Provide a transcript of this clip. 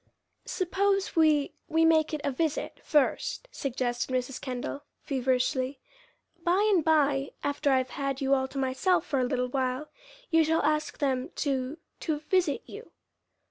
"Suppose we we make it a visit, first," suggested Mrs. Kendall, feverishly. "By and by, after I've had you all to myself for a little while, you shall ask them to to visit you."